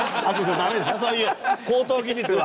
ダメですよそういう高等技術は。